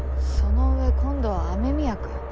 その上今度は雨宮くん？